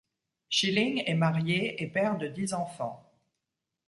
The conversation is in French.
Schilling est marié et père de dix enfants.